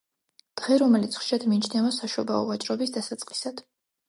დღე, რომელიც ხშირად მიიჩნევა საშობაო ვაჭრობის დასაწყისად.